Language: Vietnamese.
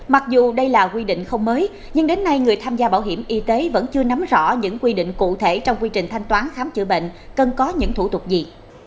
mặc dù đây là quy định không mới nhưng đến nay người tham gia bảo hiểm y tế vẫn chưa nắm rõ những quy định cụ thể trong quy trình thanh toán khám chữa bệnh cần có những thủ tục gì